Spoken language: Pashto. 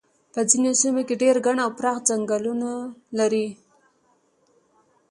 په ځینو سیمو کې ډېر ګڼ او پراخ څنګلونه لري.